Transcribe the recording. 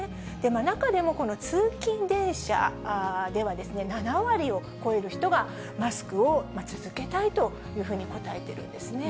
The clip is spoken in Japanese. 中でも、この通勤電車では、７割を超える人がマスクを続けたいというふうに答えてるんですね。